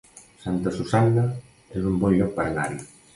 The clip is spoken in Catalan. Santa Susanna es un bon lloc per anar-hi